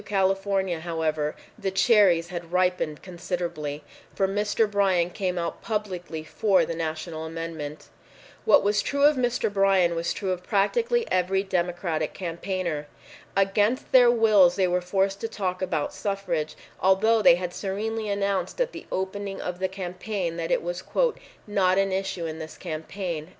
California, however, the cherries had ripened considerably, for Mr. Bryan came out publicly for the national amendment. What was true of Mr. Bryan was true of practically every Democratic campaigner. Against their wills they were forced to talk about suffrage, although they had serenely announced at the opening of the campaign that it was "not an issue in this campaign."